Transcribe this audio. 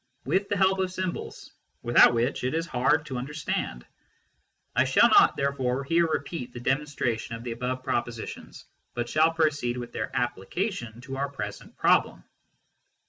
with the help of symbols, without which it is hard to understand ; I shall not therefore here repeat the demonstration of the above propositions, but shall proceed with their applica tion to our present problem.